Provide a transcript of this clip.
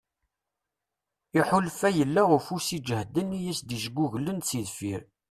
Iḥulfa yella ufus iǧehden i yas-d-ijguglen si deffir.